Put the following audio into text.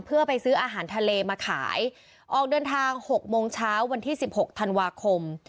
เพื่อไปซื้ออาหารทะเลมาขายออกเดินทาง๖โมงเช้าวันที่สิบหกธันวาคม